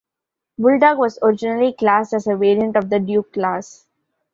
"Bulldog" was originally classed as a variant of the Duke Class.